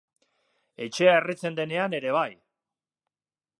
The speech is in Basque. Etxea erretzen denean ere bai.